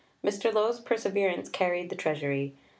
Mr. Lowe's perseverance carried the Treasury.